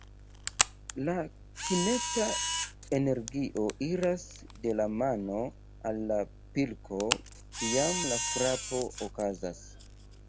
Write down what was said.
La kineta energio iras de la mano al la pilko, kiam la frapo okazas.